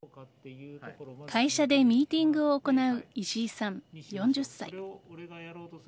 会社でミーティングを行う石井さん４０歳。